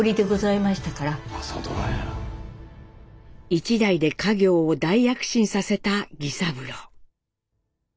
一代で家業を大躍進させた儀三郎。